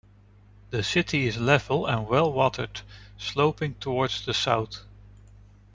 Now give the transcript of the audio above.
The city is level and well-watered, sloping towards the south.